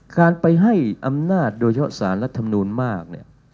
การไปให้อำนาจโดยเฉพาะสารรัฐมนูลมากเนี่ย